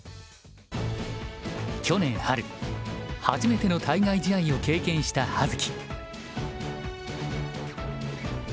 去年春初めての対外試合を経験した葉月。